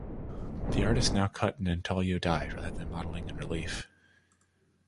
The artist now cut an intaglio die rather than modelling in relief.